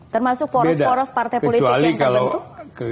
termasuk poros poros partai politik yang terbentuk